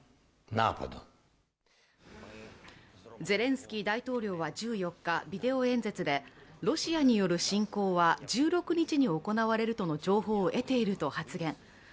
ゼレンスキー大統領は１４日、ビデオ演説でロシアによる侵攻は１６日に行われるとの情報を得ていると発言。